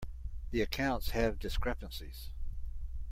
The accounts have discrepancies.